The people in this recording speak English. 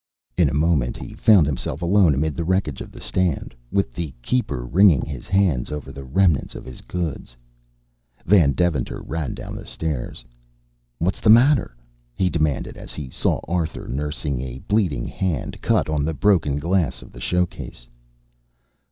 In a moment he found himself alone amid the wreckage of the stand, with the keeper wringing his hands over the remnants of his goods. Van Deventer ran down the stairs. "What's the matter?" he demanded as he saw Arthur nursing a bleeding hand cut on the broken glass of the showcase.